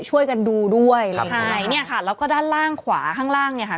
ช่วยกันดูด้วยใช่เนี่ยค่ะแล้วก็ด้านล่างขวาข้างล่างเนี่ยค่ะ